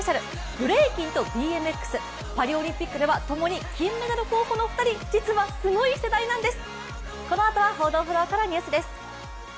ブレイキンとＢＭＸパリオリンピックではともに金メダル候補の２人、実はすごい世代なんです！